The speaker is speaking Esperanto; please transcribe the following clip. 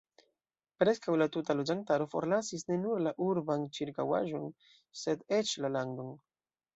Preskaŭ la tuta loĝantaro forlasis ne nur la urban ĉirkaŭaĵon, sed eĉ la landon.